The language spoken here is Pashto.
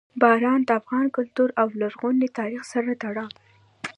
باران د افغان کلتور او لرغوني تاریخ سره تړاو لري.